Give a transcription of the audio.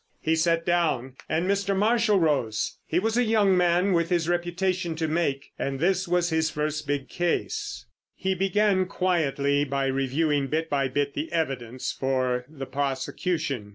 He sat down, and Mr. Marshall rose. He was a young man with his reputation to make, and this was his first big case. He began quietly by reviewing bit by bit the evidence for the prosecution.